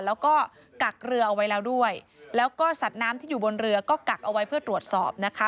แล้วก็กักเรือเอาไว้แล้วด้วยแล้วก็สัตว์น้ำที่อยู่บนเรือก็กักเอาไว้เพื่อตรวจสอบนะคะ